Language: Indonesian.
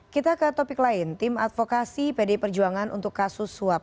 kita ke topik lain tim advokasi pd perjuangan untuk kasus suap